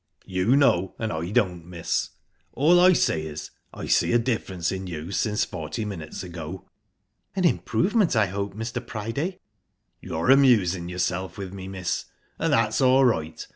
"You know and I don't, miss. All I say is, I see a difference in you since forty minutes ago." "An improvement, I hope, Mr. Priday?" "You're amusin' yourself with me, miss and that's all right.